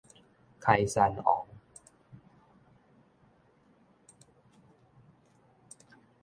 開山王